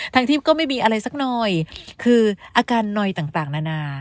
ที่ก็ไม่มีอะไรสักหน่อยคืออาการนอยต่างนานา